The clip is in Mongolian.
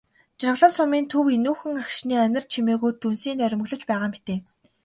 Жаргалан сумын төв энүүхэн агшны анир чимээгүйд дүнсийн нойрмоглож байгаа мэтээ.